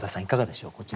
いかがでしょう？